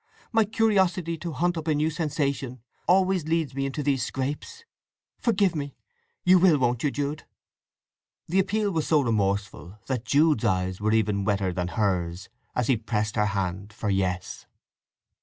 My curiosity to hunt up a new sensation always leads me into these scrapes. Forgive me! … You will, won't you, Jude?" The appeal was so remorseful that Jude's eyes were even wetter than hers as he pressed her hand for Yes.